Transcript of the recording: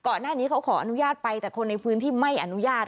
ก่อนหน้านี้เขาขออนุญาตไปแต่คนในพื้นที่ไม่อนุญาต